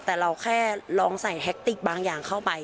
แต่เราแค่ลองใส่แฮคติกบางอย่างเข้าไป